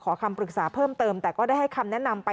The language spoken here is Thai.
คำปรึกษาเพิ่มเติมแต่ก็ได้ให้คำแนะนำไป